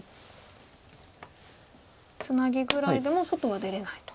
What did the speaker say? ツナギぐらいでも外は出れないと。